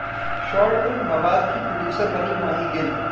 short film 'Mawaad' की producer बनी माही गिल